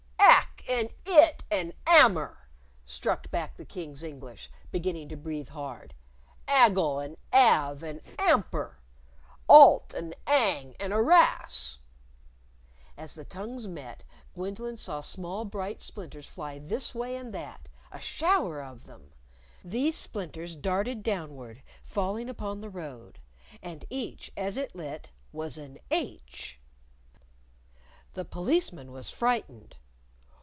"'Ack and 'it and 'ammer!" struck back the King's English, beginning to breath hard. "Aggie and 'alve and 'amper! 'Alt and 'ang and 'arass!" As the tongues met, Gwendolyn saw small bright splinters fly this way and that a shower of them! These splinters darted downward, falling upon the road. And each, as it lit, was an h! The Policeman was frightened.